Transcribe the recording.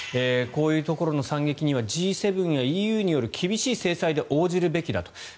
こういうところの惨劇にはＧ７やＥＵによる厳しい制裁で応じるべきだと。